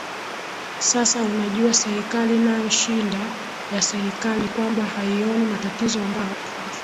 sasa unajua serikali nayo shinda ya serikali ni kwamba haioni matatizo ambao